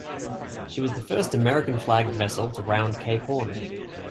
She was the first American-flagged vessel to round Cape Horn.